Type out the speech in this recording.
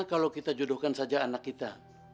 kalau kita jodohkan saja anak kita